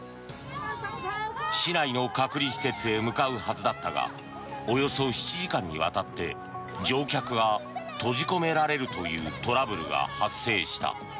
市内の隔離施設へ向かうはずだったがおよそ７時間にわたって乗客が閉じ込められるというトラブルが発生した。